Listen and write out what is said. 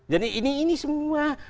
jadi ini semua